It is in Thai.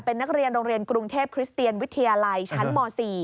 เป็นนักเรียนโรงเรียนกรุงเทพคริสเตียนวิทยาลัยชั้นม๔